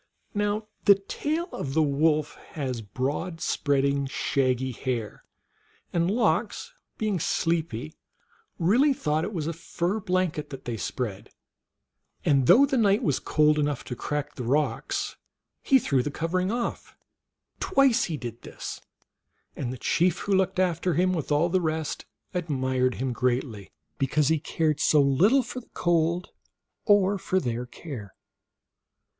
Now the tail of the wolf has broad spreading, shaggy hair, and Lox, being sleepy, really thought it was a fur blanket that they spread, and though the night was cold enough to crack the rocks he threw the covering off ; twice he did this, and the chief who looked after him, with all the rest, admired him greatly because he cared so little for the cold or for their care.